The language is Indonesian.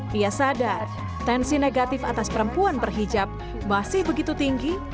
dia sadar tensi negatif atas perempuan berhijab masih begitu tinggi